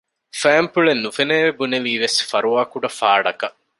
ފައިންޕުޅެއް ނުފެނެއޭ ބުނެލީވެސް ފަރުވާކުޑަ ފާޑަކަށް